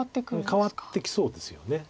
変わってきそうですよね。